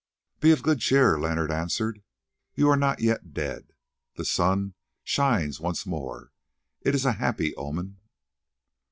"Be of good cheer," Leonard answered; "you are not yet dead. The sun shines once more. It is a happy omen."